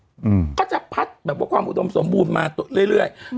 อืมก็จะพัดแบบว่าความอุดมสมบูรณ์มาเรื่อยเรื่อยอืม